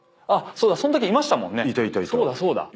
そうだそうだ」